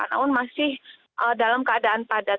namun masih dalam keadaan padat